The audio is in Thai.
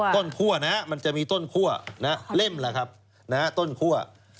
คั่วนะฮะมันจะมีต้นคั่วเล่มล่ะครับต้นคั่ว